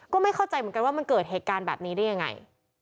ก็ไม่เข้าใจเหมือนกันว่ามันเกิดเหตุการณ์แบบนี้ได้ยังไง